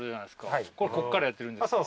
こっからやってるんですか？